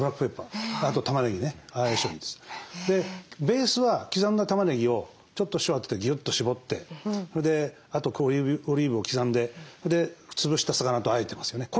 ベースは刻んだたまねぎをちょっと塩当ててギュッとしぼってそれであとオリーブを刻んでそれでつぶした魚とあえてますよね。